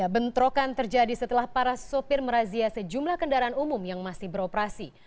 bentrokan terjadi setelah para sopir merazia sejumlah kendaraan umum yang masih beroperasi